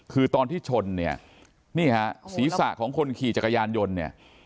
คือตอนที่ชนเนี่ยนี่ฮะศีรษะของคนขี่จักรยานยนต์เนี่ย